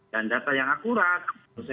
dan data yang akurat